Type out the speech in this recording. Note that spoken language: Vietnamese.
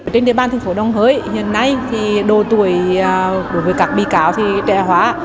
trên địa bàn thành phố đồng hới hiện nay thì độ tuổi đối với các bị cáo thì trẻ hóa